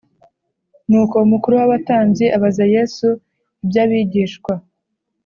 Nuko umukuru w abatambyi abaza Yesu iby abigishwa